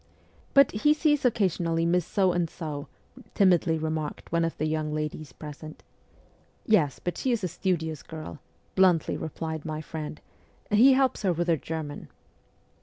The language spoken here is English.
' But he sees occasionally Miss So and So,' timidly remarked one of the young ladies present. 'Yes, but she is a studious girl,' bluntly replied my friend, 'he helps her with her German.'